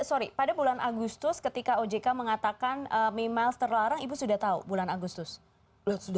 sorry pada bulan agustus ketika ojk mengatakan memiles terlarang ibu sudah tahu bulan agustus